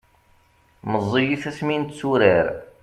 meẓẓiyit asmi netturar